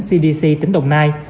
cdc tỉnh đồng nai